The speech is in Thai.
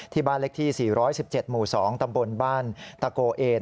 ที่บ้านเล็กที่๔๑๗หมู่๒ตำบลบ้านตะโกเอน